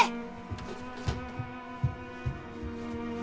はい。